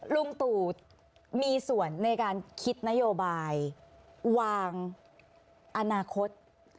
ลุงตู่มีส่วนในการคิดนโยบายวางอนาคต